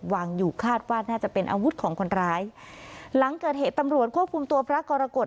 วางอยู่คาดว่าน่าจะเป็นอาวุธของคนร้ายหลังเกิดเหตุตำรวจควบคุมตัวพระกรกฎ